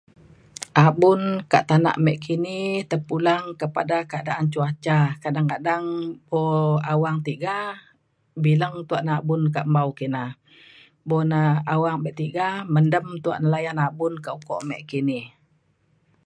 Abun ka' tanak mek kini terpulang kepada keadaan cuaca. Kadang-kadang po awang tiga bileng tua' nabun tau' kina. Bo na awang bek tiga, mendem tua' layan abun pok mek kini.